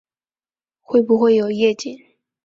会不会有夜景